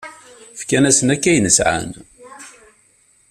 Fkan-asen akk ayen sɛan.